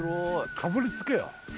かぶりつけよ！